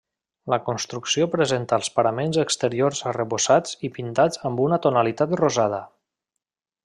La construcció presenta els paraments exteriors arrebossats i pintats amb una tonalitat rosada.